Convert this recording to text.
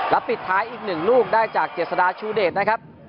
และปิดท้ายอีก๑ลูกได้จากเจษฎาชูเดชนะครับ